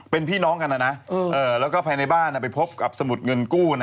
เป็นพี่น้องกันนะนะแล้วก็ภายในบ้านไปพบกับสมุดเงินกู้